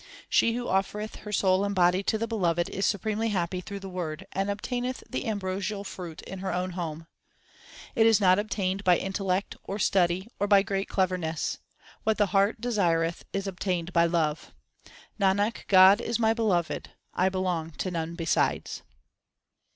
She who offereth her soul and body to the Beloved is supremely happy through the Word, and obtaineth the ambrosial fruit in her own home. It is not obtained by intellect, or study, or by great cleverness ; what the heart desireth is obtained by love. Nanak, God is my Beloved ; I belong to none besides.